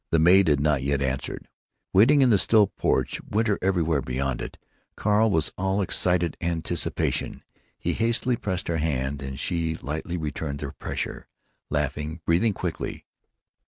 The maid had not yet answered. Waiting in the still porch, winter everywhere beyond it, Carl was all excited anticipation. He hastily pressed her hand, and she lightly returned the pressure, laughing, breathing quickly.